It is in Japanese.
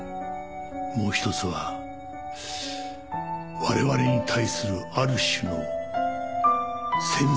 もう一つは我々に対するある種の宣戦布告。